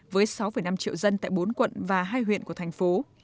với sáu năm triệu dân tại bốn quận và hai huyện của thành phố